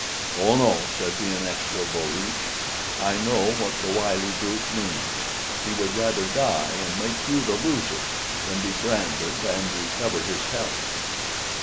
"Oh, no," said the inexorable leech; "I know what the wily brute means. He would rather die, and make you the loser, than be branded and recover his health."